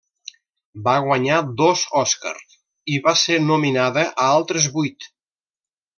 Va guanyar dos Oscar i va ser nominada a altres vuit.